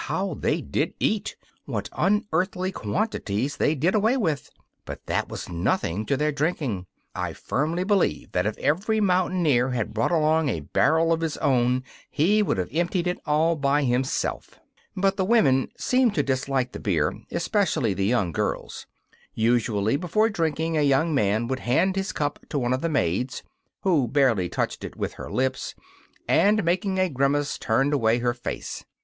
how they did eat what unearthly quantities they did away with! But that was nothing to their drinking. I firmly believe that if every mountaineer had brought along a barrel of his own he would have emptied it, all by himself. But the women seemed to dislike the beer, especially the young girls. Usually before drinking a young man would hand his cup to one of the maids, who barely touched it with her lips, and, making a grimace, turned away her face.